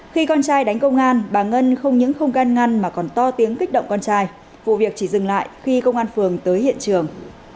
khi con trai đánh công an bà ngân không những không gan ngăn mà còn to tiếng kích động con trai vụ việc chỉ dừng lại khi công an phường tới hiện trường